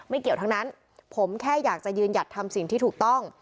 เกี่ยวทั้งนั้นผมแค่อยากจะยืนหยัดทำสิ่งที่ถูกต้อง